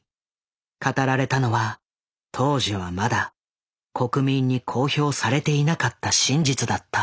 語られたのは当時はまだ国民に公表されていなかった真実だった。